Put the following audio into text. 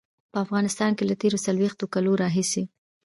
په افغانستان کې له تېرو څلويښتو کالو راهيسې.